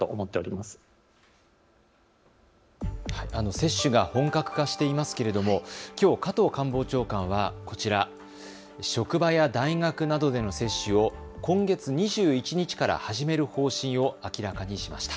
接種が本格化していますけれどもきょう加藤官房長官はこちら、職場や大学などでの接種を今月２１日から始める方針を明らかにしました。